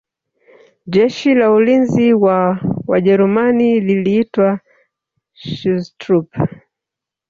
Jeshi la Ulinzi wa Wajerumani liliitwa Schutztruppe